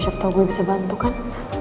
siap tau gue bisa bantu kan